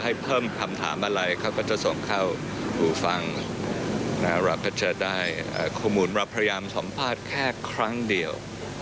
ให้เพิ่มคำถามอะไรเขาก็จะส่งเข้าอู่ฟังเราก็จะได้ข้อมูลเราพยายามสัมภาษณ์แค่ครั้งเดียว